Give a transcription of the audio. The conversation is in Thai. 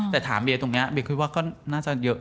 แต่ถามเบียตรงนี้เบียคิดว่าก็น่าจะเยอะ